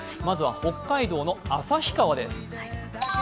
まずは北海道の旭川です。